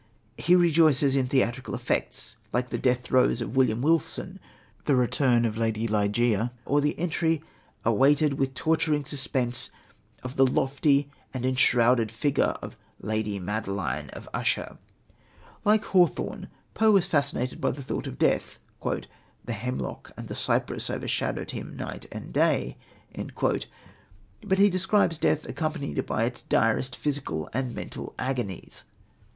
He rejoices in theatrical effects, like the death throes of William Wilson, the return of the lady Ligeia, or the entry, awaited with torturing suspense, of the "lofty" and enshrouded figure of the Lady Madeline of Usher. Like Hawthorne, Poe was fascinated by the thought of death, "the hemlock and the cypress overshadowed him night and day," but he describes death accompanied by its direst physical and mental agonies.